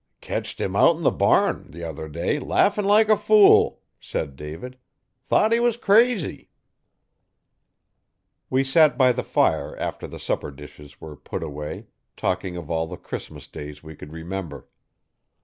'Ketched him out 'n the barn t'other day laffin' like a fool,' said David. 'Thought he was crazy.' We sat by the fire after the supper dishes were put away, talking of all the Christmas Days we could remember.